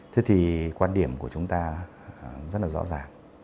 thế thì quan điểm của chúng ta rất là rõ ràng